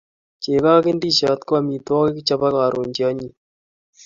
Chego ak ndisiot ko amitwogik chebo karon che anyiny